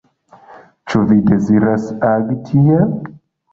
Ĉu vi deziras agi tiel?